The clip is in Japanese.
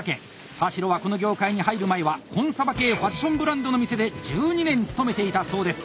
田代はこの業界に入る前はコンサバ系ファッションブランドの店で１２年勤めていたそうです。